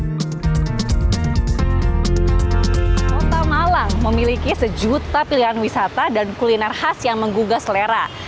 kota malang memiliki sejuta pilihan wisata dan kuliner khas yang menggugah selera